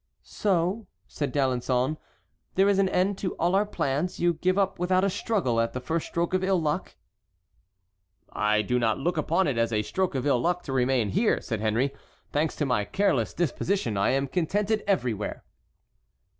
"So," said D'Alençon, "there is an end to all our plans; you give up without a struggle at the first stroke of ill luck?" "I do not look upon it as a stroke of ill luck to remain here," said Henry. "Thanks to my careless disposition, I am contented everywhere."